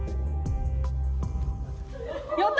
やった！